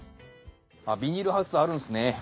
ビニールハウスあるんですね。